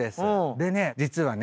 でね実はね。